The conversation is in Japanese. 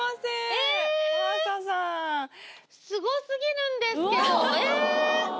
すごすぎるんですけどえぇ！